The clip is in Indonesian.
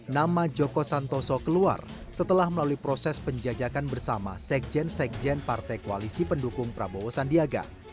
nama joko santoso keluar setelah melalui proses penjajakan bersama sekjen sekjen partai koalisi pendukung prabowo sandiaga